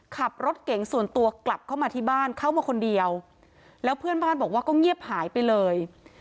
ขับรถเก่งส่วนตัวกลับเข้ามาที่บ้านเข้ามาคนเดียวแล้วเพื่อนบ้านบอกว่าก็เงียบหายไปเลย